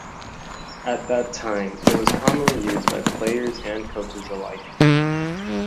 At that time, it was commonly used by players and coaches alike.